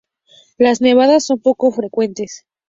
Las nevadas son poco frecuentes.